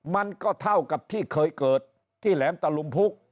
มันก็เท่ากับที่เคยเกิดที่แหลมตะลุมพุก